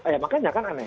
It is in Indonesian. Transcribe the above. ya makanya kan aneh